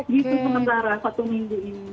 itu sementara satu minggu ini